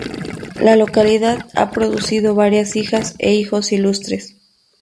La localidad ha producido varias hijas e hijos ilustres.